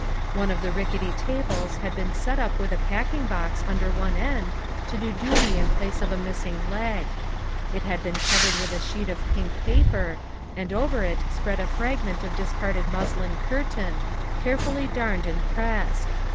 One of the rickety tables had been set up with a packing box under one end to do duty in place of a miss ing leg. It had been covered with a sheet of pink paper, and over it spread a fragment of discarded muslin curtain, carefully darned and pressed.